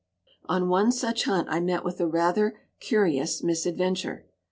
On one such hunt I met with a rather curious misadventure.